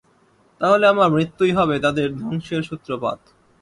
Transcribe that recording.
তাহলে আমার মৃত্যুই হবে তাদের ধ্বংসের সূত্রপাত।